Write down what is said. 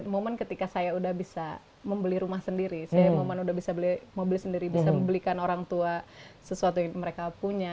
momen ketika saya udah bisa membeli rumah sendiri saya momen udah bisa mau beli sendiri bisa membelikan orang tua sesuatu yang mereka punya